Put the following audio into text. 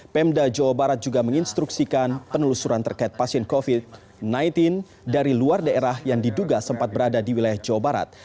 pemda jawa barat juga menginstruksikan penelusuran terkait pasien covid sembilan belas dari luar daerah yang diduga sempat berada di wilayah jawa barat